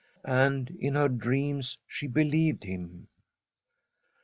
And in her dreams she believed him.